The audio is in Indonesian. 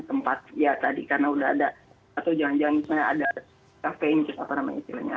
tempat ya tadi karena udah ada atau jangan jangan misalnya ada cavenge apa namanya istilahnya